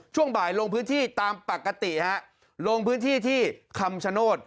ช่วงบ่ายลงพื้นที่ตามปกติฮะลงพื้นที่ที่คำชโนธ